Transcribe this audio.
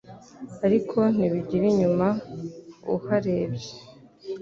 ariko ntibigara inyuma uhraebye